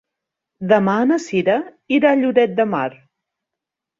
Demà na Cira irà a Lloret de Mar.